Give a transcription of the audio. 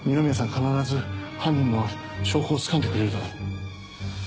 必ず犯人の証拠をつかんでくれるだろ？